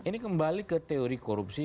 ini kembali ke teori korupsi